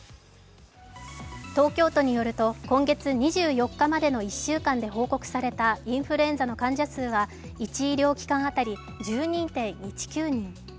東京都によると今月２４日までの１週間で報告されたインフルエンザの患者数は１医療期間当たり１２．１９人。